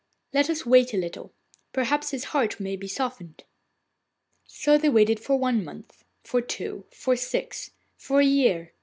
'Let us wait a little. Perhaps his heart may be softened.' So they waited for one month, for two, for six, for a year.